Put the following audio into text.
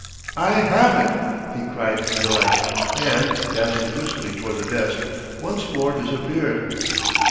"I have it!" he cried in delight and, dancing briskly toward the desk, once more disappeared.